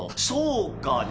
そうか！